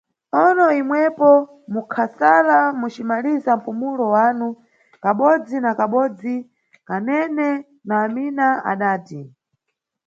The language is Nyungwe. Ono, imwepo munkasala mucimaliza mpumulo wanu, kabodzi na kabodzi Kanene na Amina adati